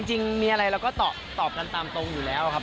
จริงมีอะไรเราก็ตอบกันตามตรงอยู่แล้วครับ